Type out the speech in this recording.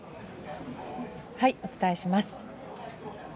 お伝えします。